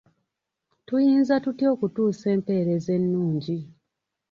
Tuyinza tutya okutuusa empeereza ennungi?